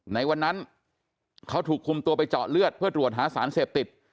ในวันนั้นเขาถูกคุมตัวไปเจาะเลือดเพื่อตรวจหาสารเสพติด